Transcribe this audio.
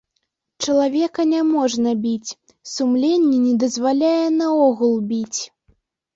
Чалавека няможна біць, сумленне не дазваляе наогул біць.